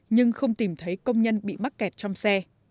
nhưng không tìm thấy công nhân bị mắc kẹt trong xe